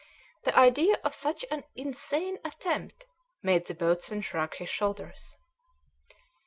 The idea of such an insane attempt made the boatswain shrug his shoulders.